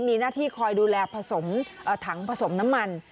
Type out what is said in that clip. มีหน้าที่คอยดูแลผสมถังผสมน้ำมัน